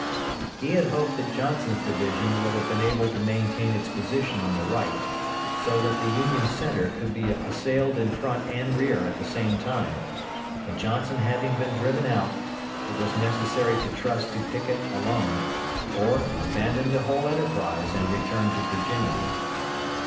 He had hoped that Johnson's division would have been able to maintain its position on the right, so that the Union centre could be assailed in front and rear at the same time, but Johnson having been driven out, it was necessary to trust to Pickett alone, or abandon the whole enterprise and return to Virginia.